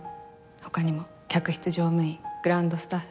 他にも客室乗務員グランドスタッフ整備士